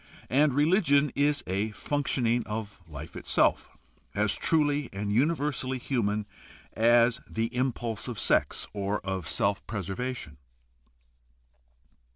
And religion is a functioning of life itself as truh" and uni\ ersally human as the impulse of sex or of self preservation.